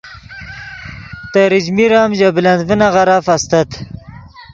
تریچمیر ام ژے بلند ڤینغیرف استت